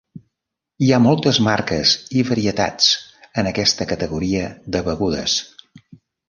Hi ha moltes marques i varietats en aquesta categoria de begudes.